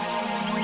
sampai jumpa lagi